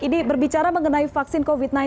ini berbicara mengenai vaksin covid sembilan belas